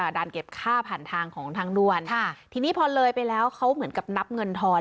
ด่านเก็บค่าผ่านทางของทางด่วนค่ะทีนี้พอเลยไปแล้วเขาเหมือนกับนับเงินทอน